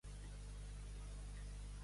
Taradell, poble pic i gran bordell.